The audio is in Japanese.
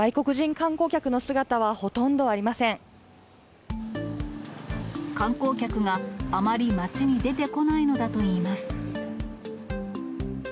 観光客があまり町に出てこないのだといいます。